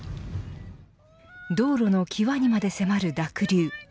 道路の際にまで迫る濁流。